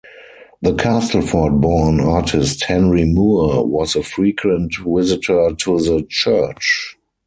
The Castleford-born artist Henry Moore was a frequent visitor to the church.